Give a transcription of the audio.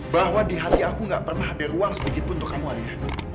bahwa di hati aku gak pernah ada ruang sedikit pun untuk kamu alia